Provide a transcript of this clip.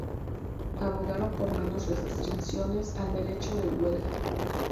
Abogaron por menos restricciones al derecho de huelga.